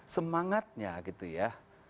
semangatnya gitu ya